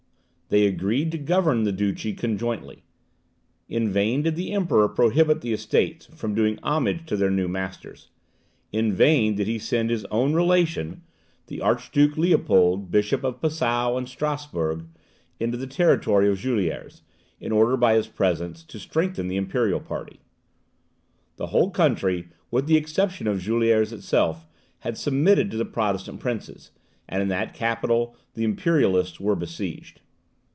They agreed to govern the duchy conjointly. In vain did the Emperor prohibit the Estates from doing homage to their new masters; in vain did he send his own relation, the Archduke Leopold, Bishop of Passau and Strasburg, into the territory of Juliers, in order, by his presence, to strengthen the imperial party. The whole country, with the exception of Juliers itself, had submitted to the Protestant princes, and in that capital the imperialists were besieged.